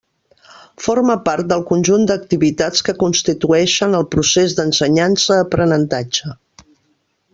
Forme part del conjunt d'activitats que constituïxen el procés d'ensenyança-aprenentatge.